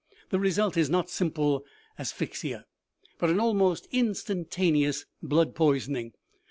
The result is not simple asphyxia, but an almost instantaneous blood poisoning.